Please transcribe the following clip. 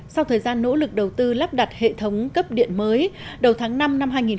sau thời gian nỗ lực đầu tư lắp đặt hệ thống cấp điện mới đầu tháng năm năm hai nghìn hai mươi